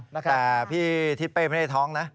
แต่พี่ทิศเป้ไม่ได้ท้องนะ